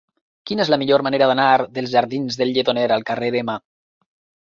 Quina és la millor manera d'anar dels jardins del Lledoner al carrer M?